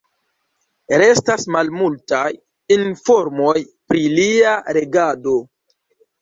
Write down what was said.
Restas malmultaj informoj pri lia regado.